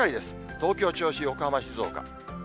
東京、銚子、横浜、静岡。